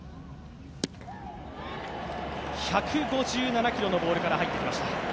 １５７キロのボールから入ってきました。